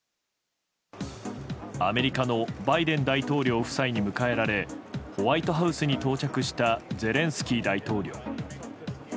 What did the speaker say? アメリカのバイデン大統領夫妻に迎えられホワイトハウスに到着したゼレンスキー大統領。